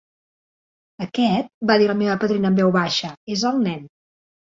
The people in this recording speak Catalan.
"Aquest", va dir la meva padrina en veu baixa, "és el nen".